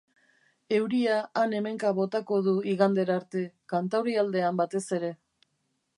Euria han-hemenka botako du igandera arte, kantaurialdean batez ere.